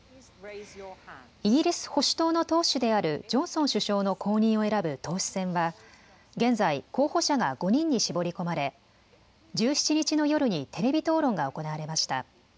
イギリス・保守党の党首であるジョンソン首相の後任を選ぶ党首選は現在、候補者が５人に絞り込まれ１７日の夜にテレビ討論が行われました。